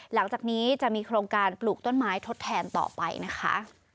หลังจากนี้จะมีโครงการปลูกต้นไม้ทดแทนต่อไปนะคะ